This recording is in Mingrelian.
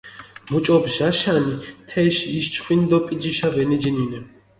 მუჭო ბჟაშანი, თეში იში ჩხვინდი დო პიჯიშა ვენიჯინინე.